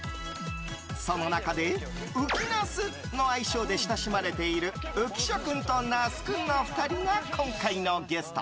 その中で、うきなすの愛称で親しまれている浮所君と那須君の２人が今回のゲスト。